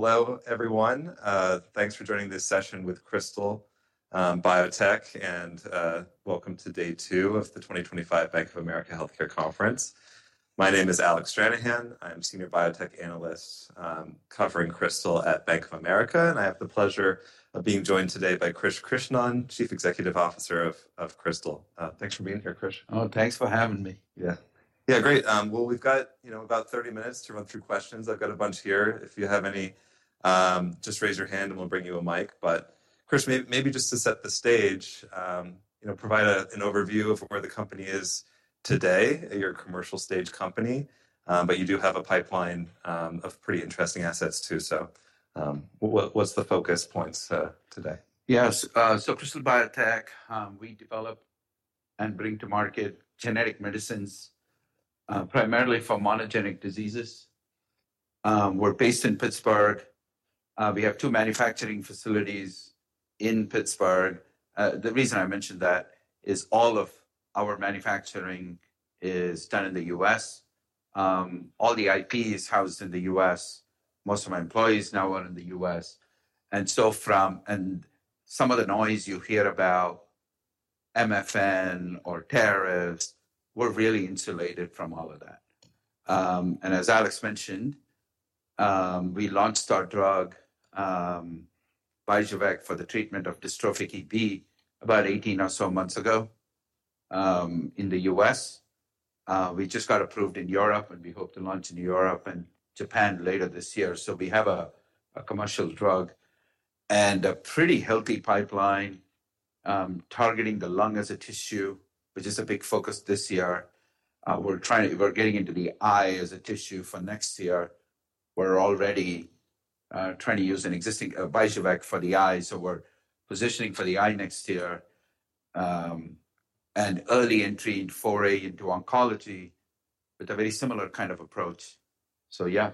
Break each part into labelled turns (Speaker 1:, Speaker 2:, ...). Speaker 1: Hello, everyone. Thanks for joining this session with Krystal Biotech, and welcome to day two of the 2025 Bank of America Healthcare Conference. My name is Alec Stranahan. I'm a senior biotech analyst covering Krystal at Bank of America, and I have the pleasure of being joined today by Krish Krishnan, Chief Executive Officer of Krystal. Thanks for being here, Krish.
Speaker 2: Oh, thanks for having me.
Speaker 1: Yeah. Yeah, great. We've got, you know, about 30 minutes to run through questions. I've got a bunch here. If you have any, just raise your hand and we'll bring you a mic. Krish, maybe just to set the stage, you know, provide an overview of where the company is today, your commercial stage company. You do have a pipeline of pretty interesting assets too. What are the focus points today?
Speaker 2: Yes. Krystal Biotech, we develop and bring to market genetic medicines primarily for monogenic diseases. We're based in Pittsburgh. We have two manufacturing facilities in Pittsburgh. The reason I mention that is all of our manufacturing is done in the U.S. All the IP is housed in the U.S. Most of my employees now are in the U.S. from, and some of the noise you hear about ` or tariffs, we're really insulated from all of that. As Alex mentioned, we launched our drug, Vyjuvek, for the treatment of dystrophic EB about 18 or so months ago in the U.S. We just got approved in Europe, and we hope to launch in Europe and Japan later this year. We have a commercial drug and a pretty healthy pipeline targeting the lung as a tissue, which is a big focus this year. We're trying to, we're getting into the eye as a tissue for next year. We're already trying to use an existing Vyjuvek for the eye. We're positioning for the eye next year and early entry in 4A into oncology with a very similar kind of approach. Yeah,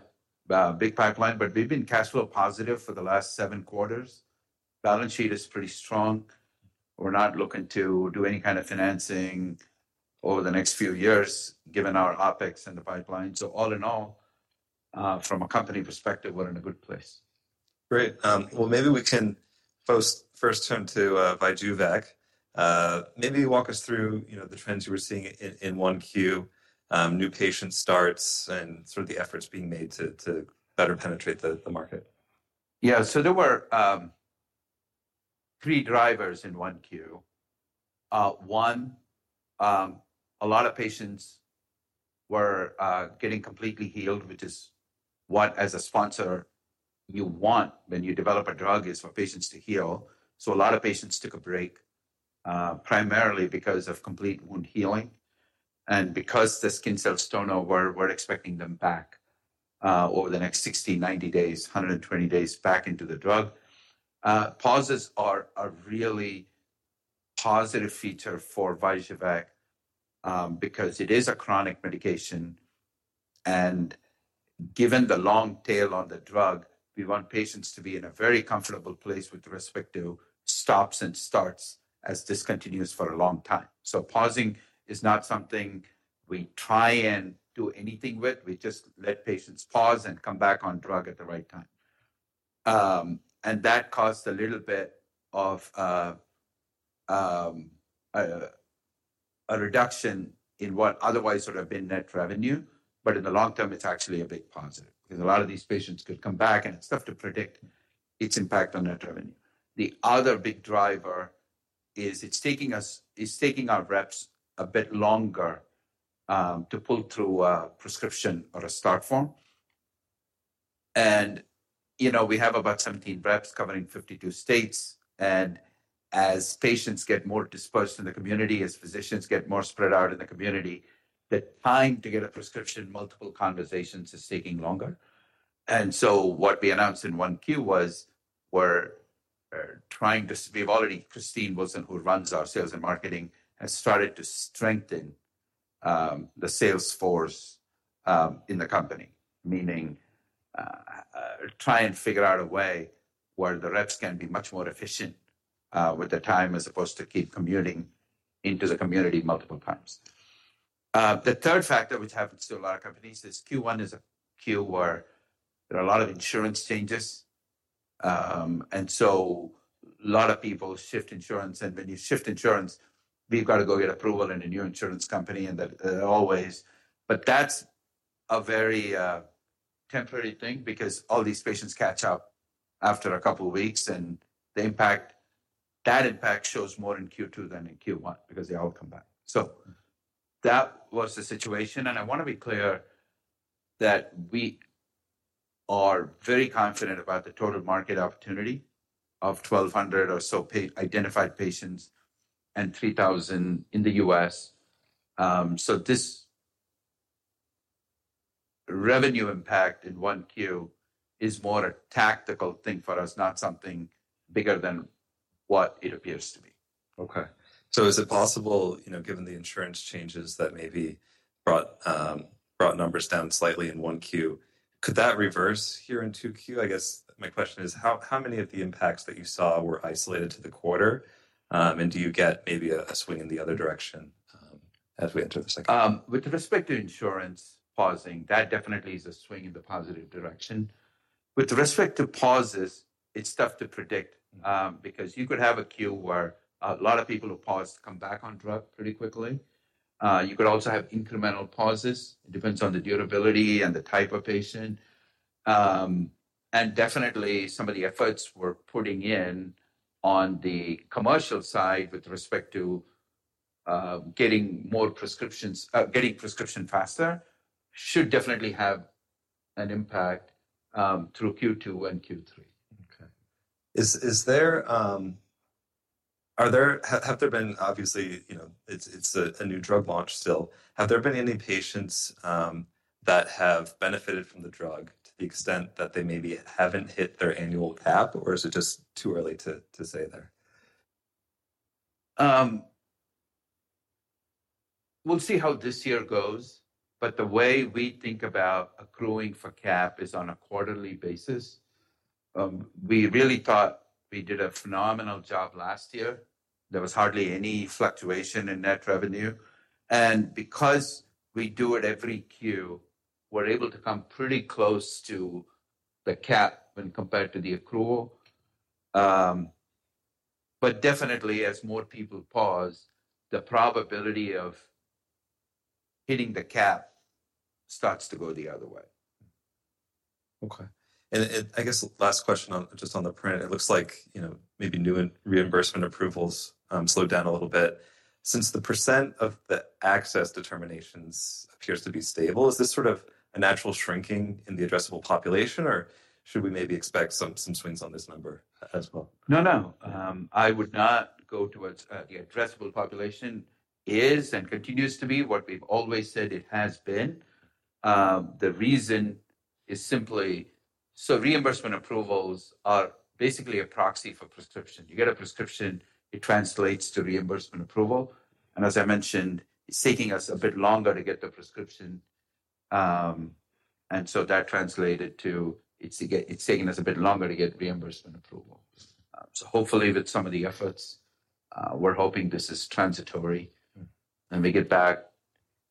Speaker 2: big pipeline, but we've been cash flow positive for the last seven quarters. Balance sheet is pretty strong. We're not looking to do any kind of financing over the next few years, given our OpEx and the pipeline. All in all, from a company perspective, we're in a good place.
Speaker 1: Great. Maybe we can first turn to Vyjuvek. Maybe walk us through, you know, the trends you were seeing in 1Q, new patient starts, and sort of the efforts being made to better penetrate the market.
Speaker 2: Yeah. There were three drivers in 1Q. One, a lot of patients were getting completely healed, which is what, as a sponsor, you want when you develop a drug, is for patients to heal. A lot of patients took a break primarily because of complete wound healing and because the skin cells turn over. We're expecting them back over the next 60, 90, 120 days back into the drug. Pauses are a really positive feature for Vyjuvek because it is a chronic medication. Given the long tail on the drug, we want patients to be in a very comfortable place with respect to stops and starts as this continues for a long time. Pausing is not something we try and do anything with. We just let patients pause and come back on drug at the right time. That caused a little bit of a reduction in what otherwise would have been net revenue. In the long term, it's actually a big positive because a lot of these patients could come back, and it's tough to predict its impact on net revenue. The other big driver is it's taking us, it's taking our reps a bit longer to pull through a prescription or a start form. You know, we have about 17 reps covering 52 states. As patients get more dispersed in the community, as physicians get more spread out in the community, the time to get a prescription, multiple conversations is taking longer. What we announced in Q1 was we're trying to, we've already, Christine Wilson, who runs our sales and marketing, has started to strengthen the sales force in the company, meaning try and figure out a way where the reps can be much more efficient with the time as opposed to keep commuting into the community multiple times. The third factor, which happens to a lot of companies, is Q1 is a quarter where there are a lot of insurance changes. A lot of people shift insurance. When you shift insurance, we've got to go get approval in a new insurance company and that always, but that's a very temporary thing because all these patients catch up after a couple of weeks. The impact, that impact shows more in Q2 than in Q1 because they all come back. That was the situation. I want to be clear that we are very confident about the total market opportunity of 1,200 or so identified patients and 3,000 in the US. This revenue impact in 1Q is more a tactical thing for us, not something bigger than what it appears to be.
Speaker 1: Okay. So is it possible, you know, given the insurance changes that maybe brought numbers down slightly in 1Q, could that reverse here in 2Q? I guess my question is how many of the impacts that you saw were isolated to the quarter? And do you get maybe a swing in the other direction as we enter the second?
Speaker 2: With respect to insurance pausing, that definitely is a swing in the positive direction. With respect to pauses, it's tough to predict because you could have a Q where a lot of people who paused come back on drug pretty quickly. You could also have incremental pauses. It depends on the durability and the type of patient. Definitely some of the efforts we're putting in on the commercial side with respect to getting more prescriptions, getting prescriptions faster should definitely have an impact through Q2 and Q3.
Speaker 1: Okay. Is there, are there, have there been, obviously, you know, it's a new drug launch still. Have there been any patients that have benefited from the drug to the extent that they maybe haven't hit their annual cap, or is it just too early to say there?
Speaker 2: We'll see how this year goes. The way we think about accruing for cap is on a quarterly basis. We really thought we did a phenomenal job last year. There was hardly any fluctuation in net revenue. Because we do it every Q, we're able to come pretty close to the cap when compared to the accrual. Definitely, as more people pause, the probability of hitting the cap starts to go the other way.
Speaker 1: Okay. I guess last question on just on the print, it looks like, you know, maybe new reimbursement approvals slowed down a little bit. Since the % of the access determinations appears to be stable, is this sort of a natural shrinking in the addressable population, or should we maybe expect some swings on this number as well?
Speaker 2: No, no. I would not go towards the addressable population is and continues to be what we've always said it has been. The reason is simply so reimbursement approvals are basically a proxy for prescription. You get a prescription, it translates to reimbursement approval. As I mentioned, it's taking us a bit longer to get the prescription. That translated to it's taking us a bit longer to get reimbursement approval. Hopefully with some of the efforts, we're hoping this is transitory and we get back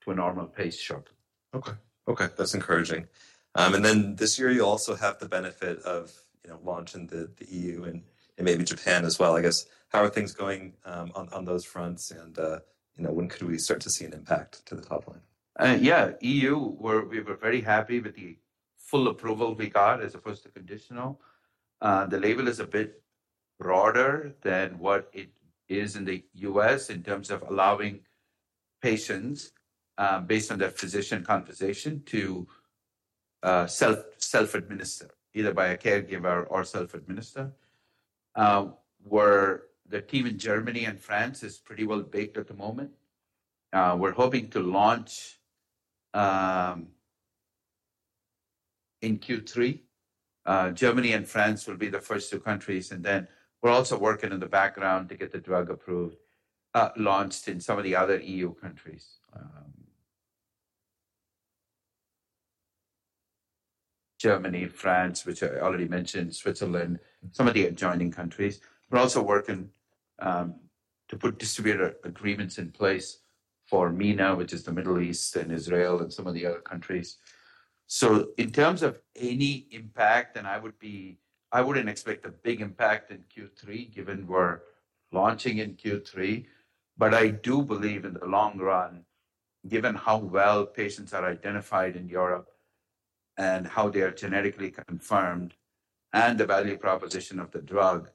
Speaker 2: to a normal pace shortly.
Speaker 1: Okay. Okay. That's encouraging. This year you also have the benefit of, you know, launching the EU and maybe Japan as well. I guess how are things going on those fronts? You know, when could we start to see an impact to the top line?
Speaker 2: Yeah, EU, we were very happy with the full approval we got as opposed to conditional. The label is a bit broader than what it is in the U.S. in terms of allowing patients, based on their physician conversation, to self-administer, either by a caregiver or self-administer. Where the team in Germany and France is pretty well baked at the moment. We are hoping to launch in Q3. Germany and France will be the first two countries. We are also working in the background to get the drug approved, launched in some of the other EU countries. Germany, France, which I already mentioned, Switzerland, some of the adjoining countries. We are also working to put distributor agreements in place for MENA, which is the Middle East and Israel and some of the other countries. In terms of any impact, I would not expect a big impact in Q3 given we are launching in Q3. I do believe in the long run, given how well patients are identified in Europe and how they are genetically confirmed and the value proposition of the drug,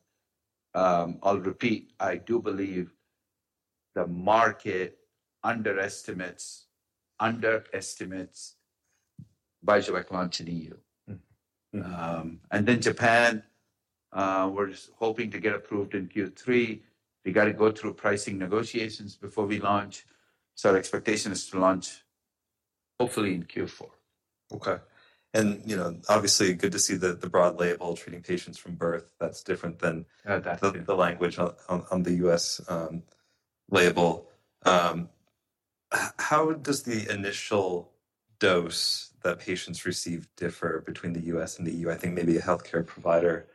Speaker 2: I will repeat, I do believe the market underestimates, underestimates Vyjuvek launch in EU. Japan, we are hoping to get approved in Q3. We have to go through pricing negotiations before we launch. Our expectation is to launch hopefully in Q4.
Speaker 1: Okay. You know, obviously good to see the broad label treating patients from birth. That's different than the language on the U.S. label. How does the initial dose that patients receive differ between the U.S. and the EU? I think maybe a healthcare provider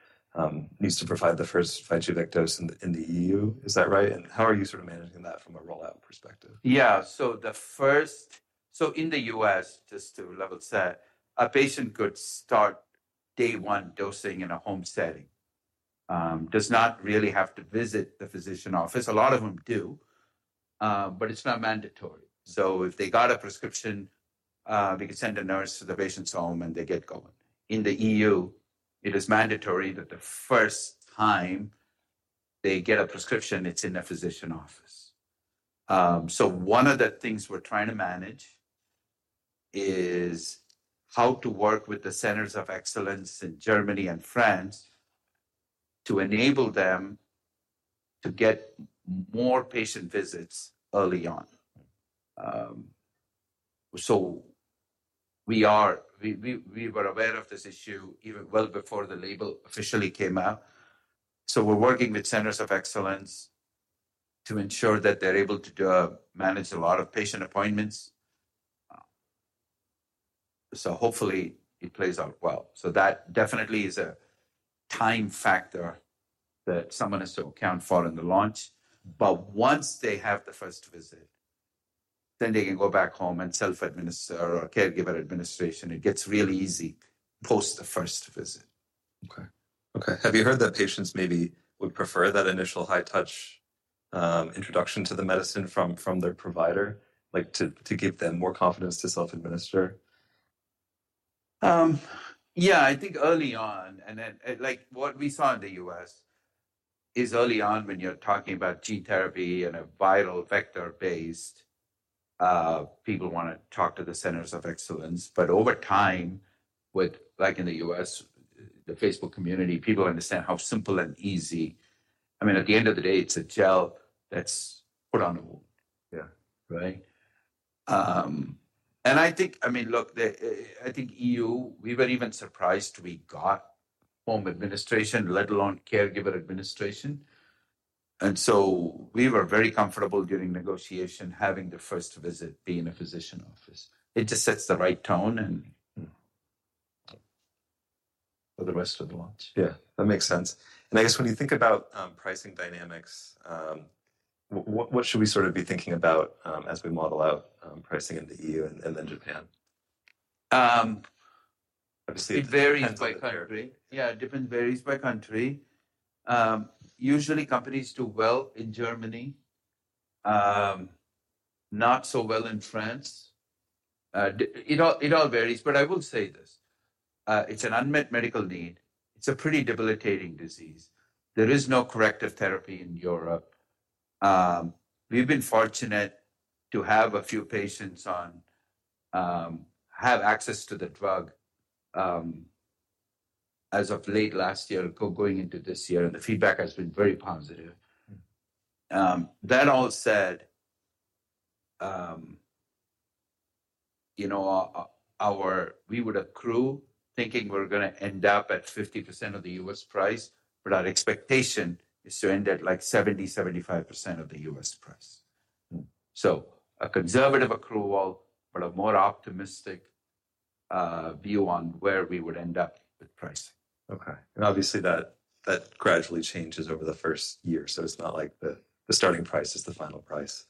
Speaker 1: needs to provide the first Vyjuvek dose in the EU. Is that right? How are you sort of managing that from a rollout perspective?
Speaker 2: Yeah. So the first, so in the U.S., just to level set, a patient could start day one dosing in a home setting. Does not really have to visit the physician office. A lot of them do, but it's not mandatory. If they got a prescription, we could send a nurse to the patient's home and they get going. In the EU, it is mandatory that the first time they get a prescription, it's in a physician office. One of the things we're trying to manage is how to work with the centers of excellence in Germany and France to enable them to get more patient visits early on. We were aware of this issue even well before the label officially came out. We're working with centers of excellence to ensure that they're able to manage a lot of patient appointments. Hopefully it plays out well. That definitely is a time factor that someone has to account for in the launch. Once they have the first visit, then they can go back home and self-administer or caregiver administration. It gets really easy post the first visit.
Speaker 1: Okay. Okay. Have you heard that patients maybe would prefer that initial high-touch introduction to the medicine from their provider, like to give them more confidence to self-administer?
Speaker 2: Yeah, I think early on, and like what we saw in the U.S. is early on when you're talking about gene therapy and a viral vector-based, people want to talk to the centers of excellence. Over time with, like in the U.S., the Facebook community, people understand how simple and easy. I mean, at the end of the day, it's a gel that's put on a wound. Yeah. Right. I think, I mean, look, I think EU, we were even surprised we got home administration, let alone caregiver administration. We were very comfortable during negotiation having the first visit be in a physician office. It just sets the right tone and for the rest of the launch.
Speaker 1: Yeah, that makes sense. I guess when you think about pricing dynamics, what should we sort of be thinking about as we model out pricing in the EU and then Japan?
Speaker 2: It varies by country. Yeah, it varies by country. Usually companies do well in Germany, not so well in France. It all varies, but I will say this. It is an unmet medical need. It is a pretty debilitating disease. There is no corrective therapy in Europe. We have been fortunate to have a few patients on, have access to the drug as of late last year going into this year, and the feedback has been very positive. That all said, you know, our, we would accrue thinking we are going to end up at 50% of the US price, but our expectation is to end at like 70-75% of the US price. A conservative accrual, but a more optimistic view on where we would end up with pricing.
Speaker 1: Okay. Obviously that gradually changes over the first year. It's not like the starting price is the final price.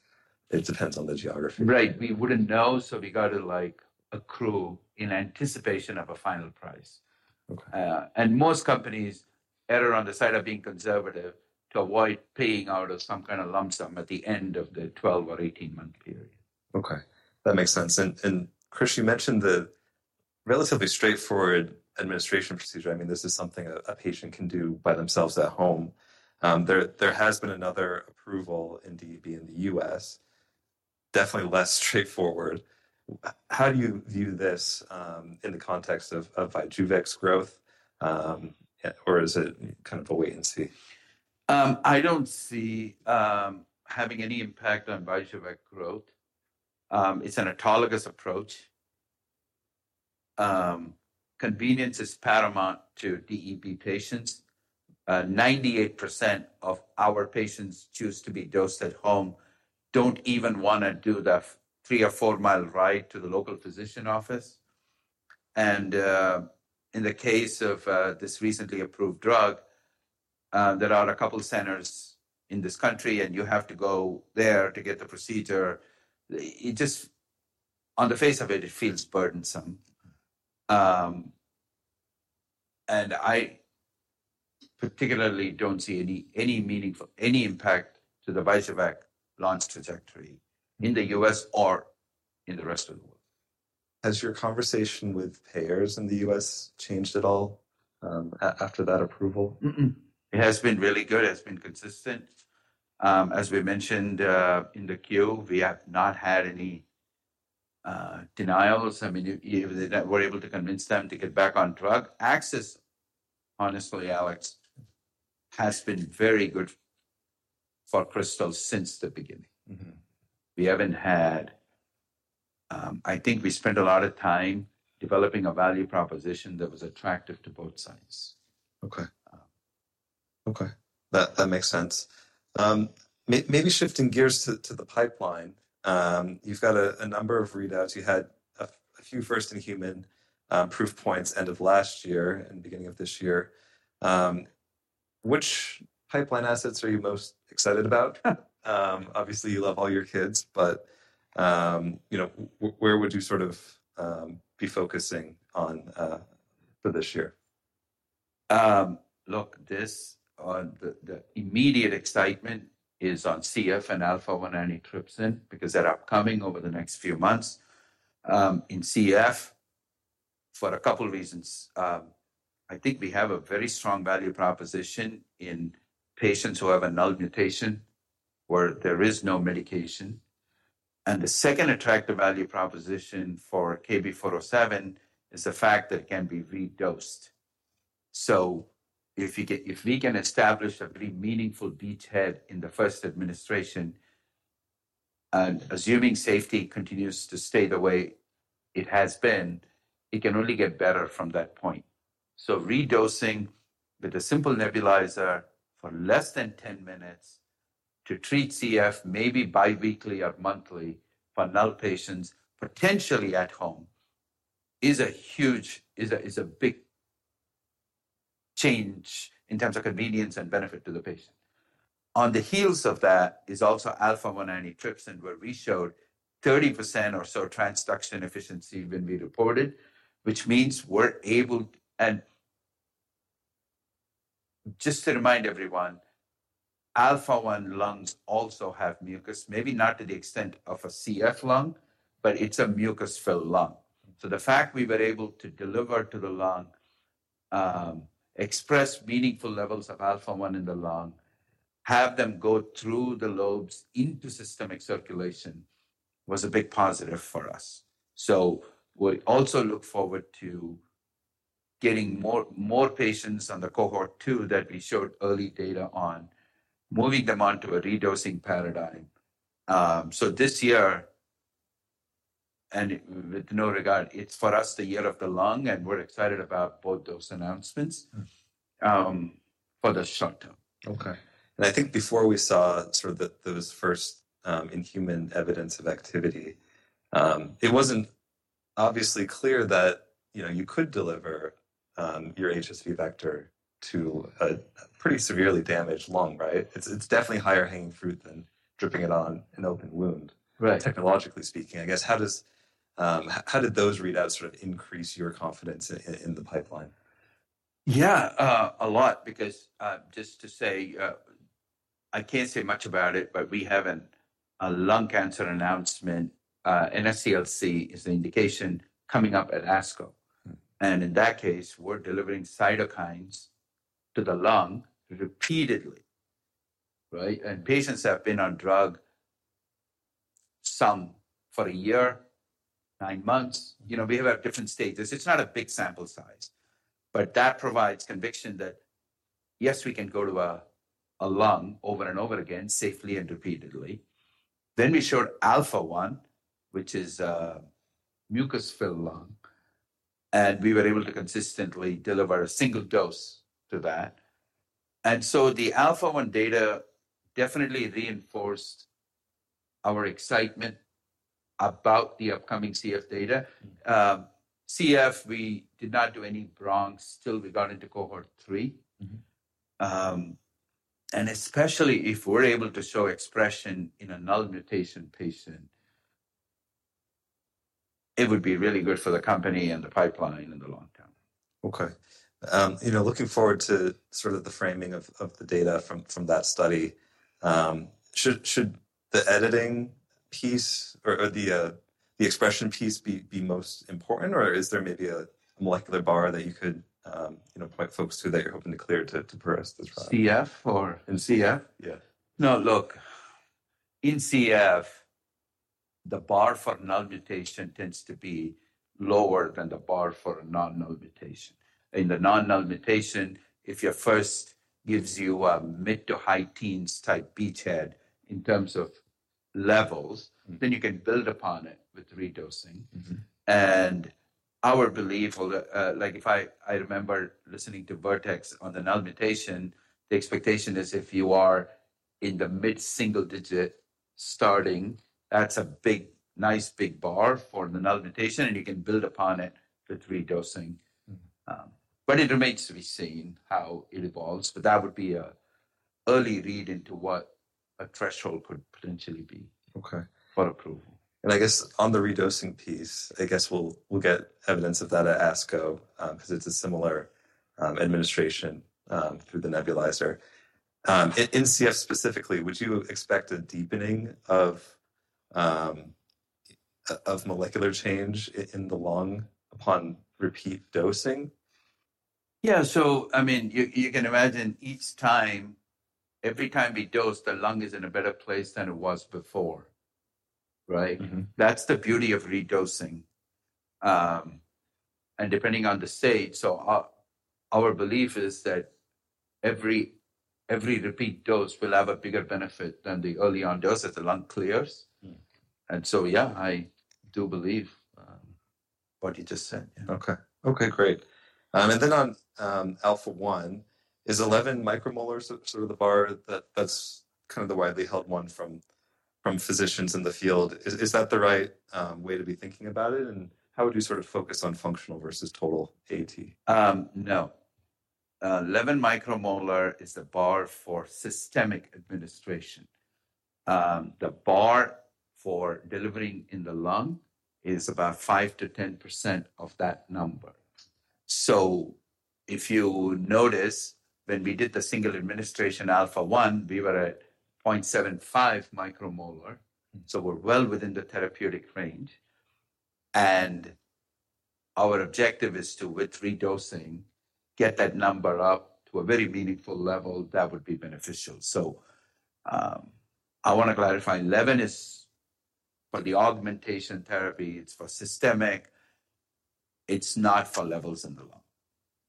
Speaker 1: It depends on the geography.
Speaker 2: Right. We wouldn't know. We got to like accrue in anticipation of a final price. Most companies err on the side of being conservative to avoid paying out of some kind of lump sum at the end of the 12 or 18-month period.
Speaker 1: Okay. That makes sense. Krish, you mentioned the relatively straightforward administration procedure. I mean, this is something a patient can do by themselves at home. There has been another appqroval in DEB in the U.S., definitely less straightforward. How do you view this in the context of Vyjuvek's growth, or is it kind of a wait and see?
Speaker 2: I don't see having any impact on Vyjuvek growth. It's an autologous approach. Convenience is paramount to DEB patients. 98% of our patients choose to be dosed at home, don't even want to do the three or four-mile ride to the local physician office. In the case of this recently approved drug, there are a couple of centers in this country, and you have to go there to get the procedure. It just, on the face of it, it feels burdensome. I particularly don't see any meaningful, any impact to the Vyjuvek launch trajectory in the U.S. or in the rest of the world.
Speaker 1: Has your conversation with payers in the U.S. changed at all after that approval?
Speaker 2: It has been really good. It has been consistent. As we mentioned in the queue, we have not had any denials. I mean, we were able to convince them to get back on drug access. Honestly, Alex, it has been very good for Krystal since the beginning. We haven't had, I think we spent a lot of time developing a value proposition that was attractive to both sides.
Speaker 1: Okay. Okay. That makes sense. Maybe shifting gears to the pipeline. You've got a number of readouts. You had a few first-in-human proof points end of last year and beginning of this year. Which pipeline assets are you most excited about? Obviously, you love all your kids, but you know, where would you sort of be focusing on for this year?
Speaker 2: Look, this on the immediate excitement is on CF and alpha-1 antitrypsin because they're upcoming over the next few months. In CF, for a couple of reasons, I think we have a very strong value proposition in patients who have a null mutation where there is no medication. The second attractive value proposition for KB407 is the fact that it can be redosed. If we can establish a very meaningful beachhead in the first administration, and assuming safety continues to stay the way it has been, it can only get better from that point. Redosing with a simple nebulizer for less than 10 minutes to treat CF, maybe biweekly or monthly for null patients, potentially at home, is a huge, is a big change in terms of convenience and benefit to the patient. On the heels of that is also alpha-1 antitrypsin, where we showed 30% or so transduction efficiency when we reported, which means we're able, and just to remind everyone, alpha-1 lungs also have mucus, maybe not to the extent of a CF lung, but it's a mucus-filled lung. The fact we were able to deliver to the lung, express meaningful levels of alpha-1 in the lung, have them go through the lobes into systemic circulation was a big positive for us. We also look forward to getting more patients on the cohort two that we showed early data on, moving them onto a redosing paradigm. This year, and with no regard, it's for us the year of the lung, and we're excited about both those announcements for the short term.
Speaker 1: Okay. I think before we saw sort of those first in-human evidence of activity, it was not obviously clear that, you know, you could deliver your HSV vector to a pretty severely damaged lung, right? It is definitely higher hanging fruit than dripping it on an open wound.
Speaker 2: Right.
Speaker 1: Technologically speaking, I guess, how did those readouts sort of increase your confidence in the pipeline?
Speaker 2: Yeah, a lot, because just to say, I can't say much about it, but we have a lung cancer announcement, NSCLC is an indication coming up at ASCO. In that case, we're delivering cytokines to the lung repeatedly, right? Patients have been on drug, some for a year, nine months. You know, we have different stages. It's not a big sample size, but that provides conviction that yes, we can go to a lung over and over again, safely and repeatedly. We showed alpha-1, which is a mucus-filled lung, and we were able to consistently deliver a single dose to that. The alpha-1 data definitely reinforced our excitement about the upcoming CF data. CF, we did not do any bronx. Still, we got into cohort three. Especially if we're able to show expression in a null mutation patient, it would be really good for the company and the pipeline in the long term.
Speaker 1: Okay. You know, looking forward to sort of the framing of the data from that study, should the editing piece or the expression piece be most important, or is there maybe a molecular bar that you could point folks to that you're hoping to clear to progress this route?
Speaker 2: CF or in CF?
Speaker 1: Yeah.
Speaker 2: No, look, in CF, the bar for null mutation tends to be lower than the bar for a non-null mutation. In the non-null mutation, if your first gives you a mid to high teens type beachhead in terms of levels, then you can build upon it with redosing. And our belief, like if I remember listening to Vojtěch on the null mutation, the expectation is if you are in the mid single digit starting, that's a big, nice big bar for the null mutation, and you can build upon it with redosing. It remains to be seen how it evolves, but that would be an early read into what a threshold could potentially be for approval.
Speaker 1: I guess on the redosing piece, I guess we'll get evidence of that at ASCO because it's a similar administration through the nebulizer. In CF specifically, would you expect a deepening of molecular change in the lung upon repeat dosing?
Speaker 2: Yeah. I mean, you can imagine each time, every time we dose, the lung is in a better place than it was before. Right? That is the beauty of redosing. Depending on the state, our belief is that every repeat dose will have a bigger benefit than the early on dose as the lung clears. Yeah, I do believe what you just said.
Speaker 1: Okay. Okay, great. On alpha-1, is 11 micromolars sort of the bar that's kind of the widely held one from physicians in the field? Is that the right way to be thinking about it? How would you sort of focus on functional versus total AT?
Speaker 2: No. Eleven micromolar is the bar for systemic administration. The bar for delivering in the lung is about 5-10% of that number. If you notice, when we did the single administration alpha-1, we were at 0.75 micromolar. We are well within the therapeutic range. Our objective is to, with redosing, get that number up to a very meaningful level that would be beneficial. I want to clarify, eleven is for the augmentation therapy. It is for systemic. It is not for levels in the lung.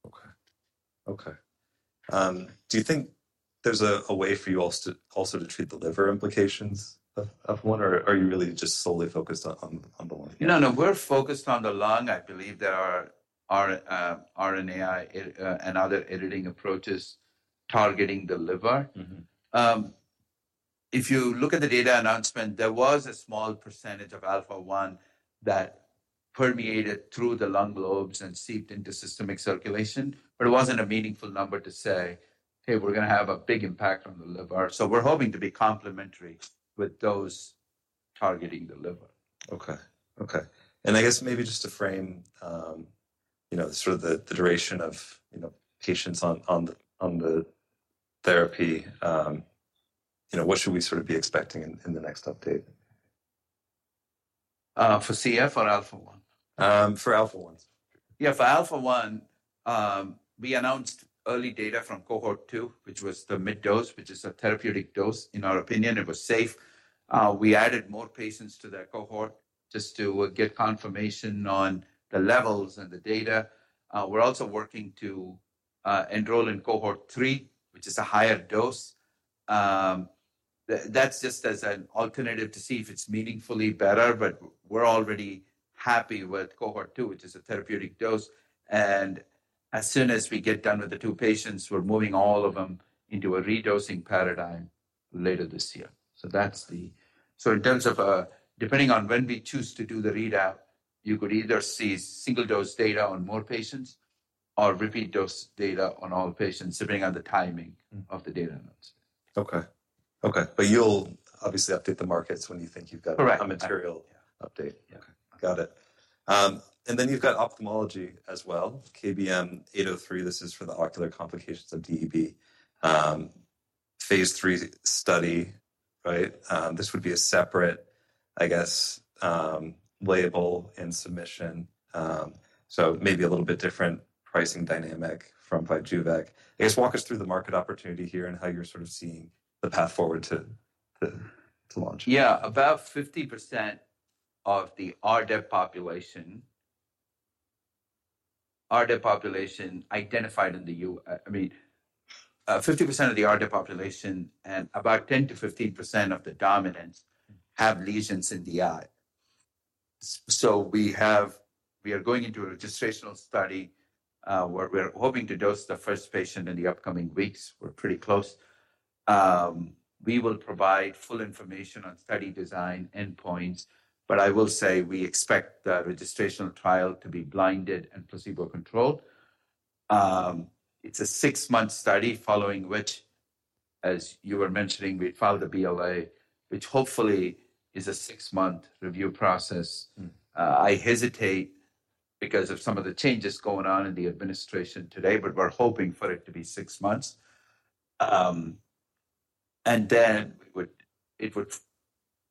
Speaker 1: Okay. Okay. Do you think there's a way for you all to also treat the liver implications of one, or are you really just solely focused on the lung?
Speaker 2: No, no, we're focused on the lung. I believe there are RNAi and other editing approaches targeting the liver. If you look at the data announcement, there was a small percentage of alpha-1 that permeated through the lung lobes and seeped into systemic circulation, but it wasn't a meaningful number to say, "Hey, we're going to have a big impact on the liver." We are hoping to be complementary with those targeting the liver.
Speaker 1: Okay. Okay. I guess maybe just to frame, you know, sort of the duration of, you know, patients on the therapy, you know, what should we sort of be expecting in the next update?
Speaker 2: For CF or alpha-1?
Speaker 1: For alpha-1.
Speaker 2: Yeah, for alpha-1, we announced early data from cohort two, which was the mid dose, which is a therapeutic dose. In our opinion, it was safe. We added more patients to that cohort just to get confirmation on the levels and the data. We're also working to enroll in cohort three, which is a higher dose. That's just as an alternative to see if it's meaningfully better, but we're already happy with cohort two, which is a therapeutic dose. As soon as we get done with the two patients, we're moving all of them into a redosing paradigm later this year. In terms of depending on when we choose to do the readout, you could either see single dose data on more patients or repeat dose data on all patients, depending on the timing of the data announcement.
Speaker 1: Okay. Okay. You'll obviously update the markets when you think you've got a material update.
Speaker 2: Correct. Yeah.
Speaker 1: Got it. And then you've got ophthalmology as well, KB803. This is for the ocular complications of DEB phase three study, right? This would be a separate, I guess, label and submission. Maybe a little bit different pricing dynamic from Vyjuvek. I guess walk us through the market opportunity here and how you're sort of seeing the path forward to launch.
Speaker 2: Yeah, about 50% of the RDEB population, RDEB population identified in the U.S., I mean, 50% of the RDEB population and about 10-15% of the dominants have lesions in the eye. We are going into a registrational study where we're hoping to dose the first patient in the upcoming weeks. We're pretty close. We will provide full information on study design endpoints, but I will say we expect the registrational trial to be blinded and placebo controlled. It's a six-month study following which, as you were mentioning, we'd file the BLA, which hopefully is a six-month review process. I hesitate because of some of the changes going on in the administration today, but we're hoping for it to be six months. It would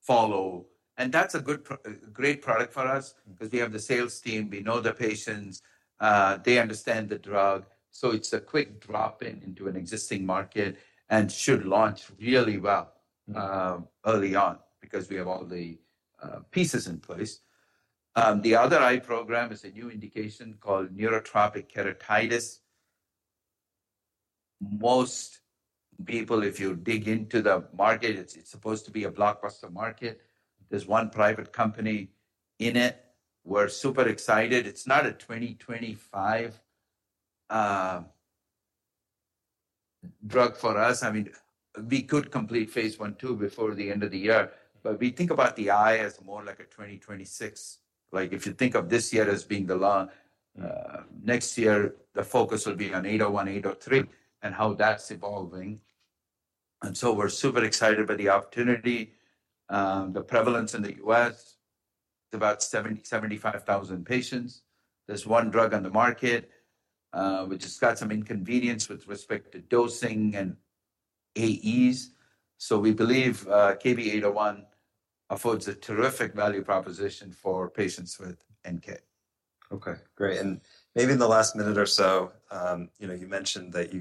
Speaker 2: follow, and that's a great product for us because we have the sales team, we know the patients, they understand the drug. It is a quick drop-in into an existing market and should launch really well early on because we have all the pieces in place. The other eye program is a new indication called neurotrophic keratitis. Most people, if you dig into the market, it's supposed to be a blockbuster market. There is one private company in it. We're super excited. It's not a 2025 drug for us. I mean, we could complete phase one two before the end of the year, but we think about the eye as more like a 2026. If you think of this year as being the lung, next year, the focus will be on 801, 803 and how that's evolving. We are super excited by the opportunity. The prevalence in the U.S., it's about 70,000-75,000 patients. There's one drug on the market, which has got some inconvenience with respect to dosing and AEs. We believe KB801 affords a terrific value proposition for patients with NK.
Speaker 1: Okay, great. Maybe in the last minute or so, you know, you mentioned that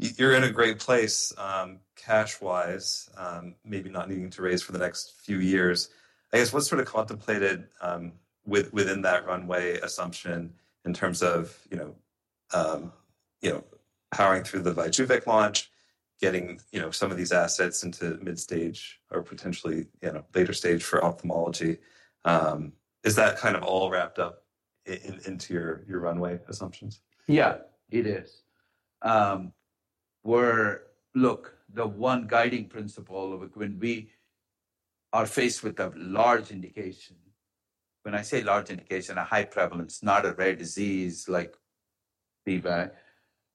Speaker 1: you're in a great place cash-wise, maybe not needing to raise for the next few years. I guess what sort of contemplated within that runway assumption in terms of, you know, powering through the Vyjuvek launch, getting, you know, some of these assets into mid stage or potentially, you know, later stage for ophthalmology. Is that kind of all wrapped up into your runway assumptions?
Speaker 2: Yeah, it is. We're, look, the one guiding principle of when we are faced with a large indication, when I say large indication, a high prevalence, not a rare disease like DEB,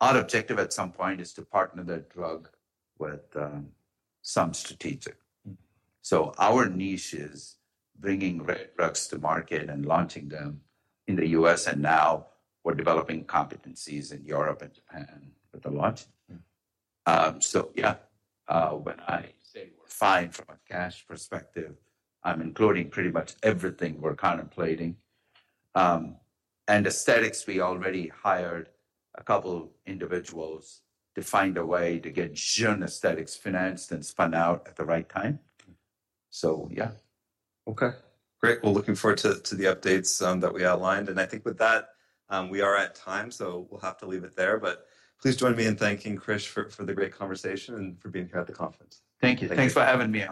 Speaker 2: our objective at some point is to partner that drug with some strategic. Our niche is bringing rare drugs to market and launching them in the US. We are developing competencies in Europe and Japan with the launch. Yeah, when I say we're fine from a cash perspective, I'm including pretty much everything we're contemplating. In aesthetics, we already hired a couple of individuals to find a way to get June Aesthetics financed and spun out at the right time. Yeah.
Speaker 1: Okay. Great. Looking forward to the updates that we outlined. I think with that, we are at time, so we'll have to leave it there. Please join me in thanking Krish for the great conversation and for being here at the conference.
Speaker 2: Thank you. Thanks for having me.